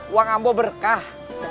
uang ambo berkah